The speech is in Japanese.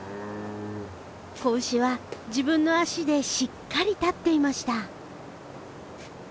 子牛は自分の足でしっかり立っていました。